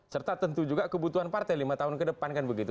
serta tentu juga kebutuhan partai lima tahun ke depan kan begitu